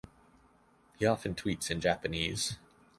He often tweets in Japanese.